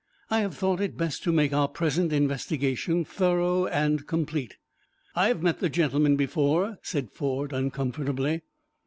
"I have thought it best to make our present investigation thorough and complete." "I have met the gentlemen before," said Ford, uncomfortably.